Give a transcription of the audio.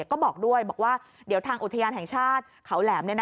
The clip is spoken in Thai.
ก็บอกด้วยบอกว่าเดี๋ยวทางอุทยานแห่งชาติเขาแหลม